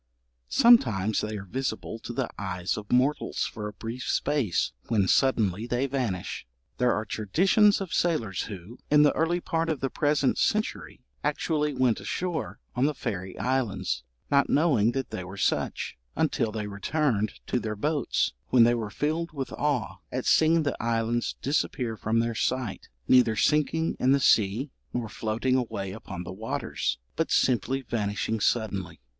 Sometimes they are visible to the eyes of mortals for a brief space, when suddenly they vanish. There are traditions of sailors who, in the early part of the present century, actually went ashore on the fairy islands not knowing that they were such, until they returned to their boats, when they were filled with awe at seeing the islands disappear from their sight, neither sinking in the sea, nor floating away upon the waters, but simply vanishing suddenly.